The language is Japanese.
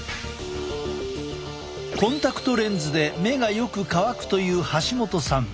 コンタクトレンズで目がよく乾くという橋本さん。